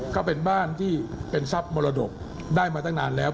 ก็เป็นบ้านที่เป็นทรัพย์มรดกได้มาตั้งนานแล้ว